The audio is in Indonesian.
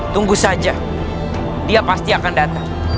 tunggu saja dia pasti akan datang